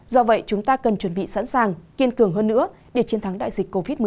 do vậy chúng ta cần chuẩn bị sẵn sàng kiên cường hơn nữa để chiến thắng đại dịch covid một mươi chín